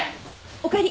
おかえり。